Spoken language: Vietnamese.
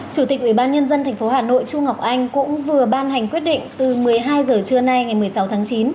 chủ tịch ubnd tp hà nội chu ngọc anh cũng vừa ban hành quyết định từ một mươi hai h trưa nay ngày một mươi sáu tháng chín